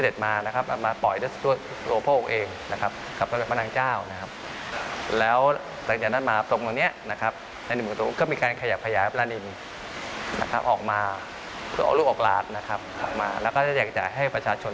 ออกมาแล้วแจกจ่ายให้ภาชชนทั่วไป